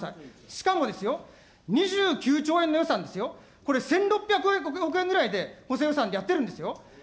しかもですよ、２９兆円の予算ですよ、これ、１６００億円くらいで補正予算でやってるんですよ。